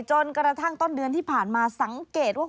จนกระทั่งต้นเดือนที่ผ่านมาสังเกตว่า